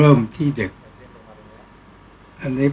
ก็ต้องทำอย่างที่บอกว่าช่องคุณวิชากำลังทำอยู่นั่นนะครับ